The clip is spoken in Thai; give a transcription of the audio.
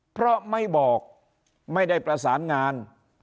เพราะไม่บอกไม่ได้ประสานงาน